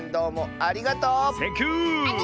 ありがとう！